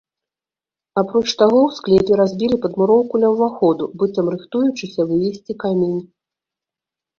Апроч таго, у склепе разбілі падмуроўку ля ўваходу, быццам рыхтуючыся вывезці камень.